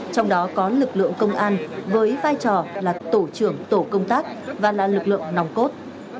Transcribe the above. trong đó có lực lượng công an với vai trò là tổ trưởng tổ công tác và là lực lượng nòng cốt